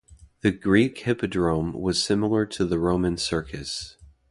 The Greek hippodrome was similar to the Roman Circus.